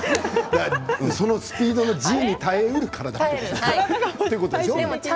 そのスピードのＧに耐えうる体ということでしょう。